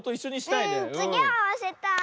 うんつぎあわせたい。